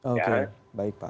oke baik pak